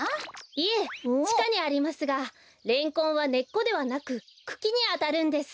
いえちかにありますがレンコンはねっこではなくくきにあたるんです。